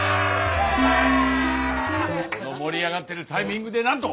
この盛り上がってるタイミングでなんと！